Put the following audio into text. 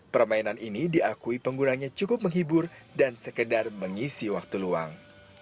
permainan ini diakui penggunanya cukup menghibur dan sekedar mengisi waktu luang